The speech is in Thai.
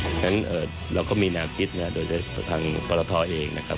ฉะนั้นเราก็มีนาภิกษ์โดยทางพลัททอเองนะครับ